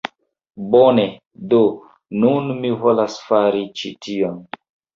Bone, do, nun mi volas fari ĉi tion!